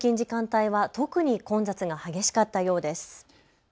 朝の通勤時間帯は特に混雑が激しかったようです。